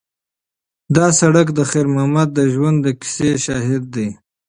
دا سړک د خیر محمد د ژوند د کیسې شاهد دی.